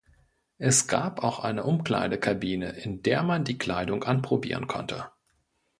Es gab auch eine Umkleidekabine, in der man die Kleidung anprobieren konnte.